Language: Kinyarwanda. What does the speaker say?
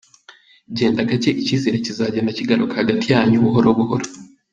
Genda gacye icyizere kizagenda kigaruka hagati yanyu buhoro buhoro.